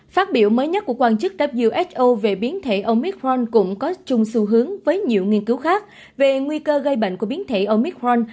phát biểu mới nhất của quan chức who về biến thể omicron cũng có chung xu hướng với nhiều nghiên cứu khác về nguy cơ gây bệnh của biến thể omicron